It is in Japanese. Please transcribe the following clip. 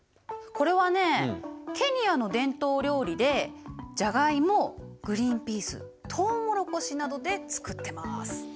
これはねケニアの伝統料理でジャガイモグリンピーストウモロコシなどで作ってます。